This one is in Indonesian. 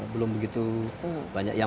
belum begitu banyak yang